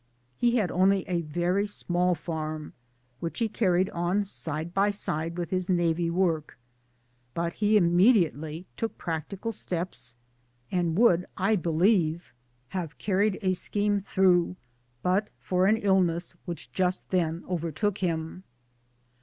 He had only a very small farm which he carried on side by side with his navvy work, but he immediately took practical steps and would 1 I believe have carried 288 MY DAYS AND DREAMS a scheme through but for an illness which just then overtook him.